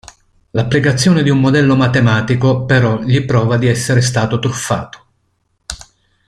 L'applicazione di un modello matematico, però, gli prova di essere stato truffato.